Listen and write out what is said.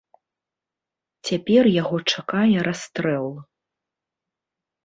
Цяпер яго чакае расстрэл.